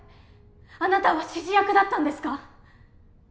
あなたは指示役だったんですか！？